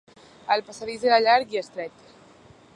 El passadís era llarg i estret.